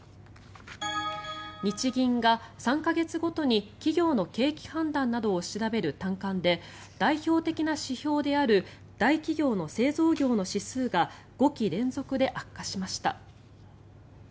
日銀が３か月ごとに企業の景気判断などを調べる短観で代表的な指標である大企業の製造業の指数が５期連続で悪化しました。